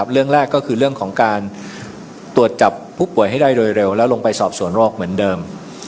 เรื่องแรกก็คือเรื่องของการตรวจจับผู้ป่วยให้ได้โดยเร็วแล้วลงไปสอบสวนโรคเหมือนเดิม